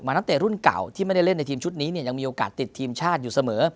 นักเตะรุ่นเก่าที่ไม่ได้เล่นในทีมชุดนี้เนี่ยยังมีโอกาสติดทีมชาติอยู่เสมอ